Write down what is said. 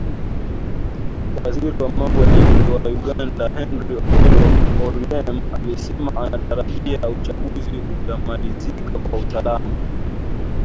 Waziri wa Mambo ya Nje wa Uganda Henry Okello Oryem alisema anatarajia uchaguzi utamalizika kwa usalama.